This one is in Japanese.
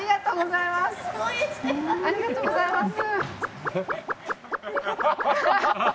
ありがとうございます。